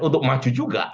untuk maju juga